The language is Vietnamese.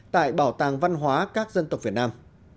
tại bảo tàng văn hóa các dân tộc việt nam